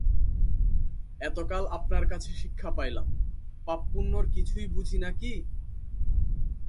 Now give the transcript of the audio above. এতকাল আপনার কাছে শিক্ষা পাইলাম, পাপপুণ্যর কিছুই বুঝি না কি?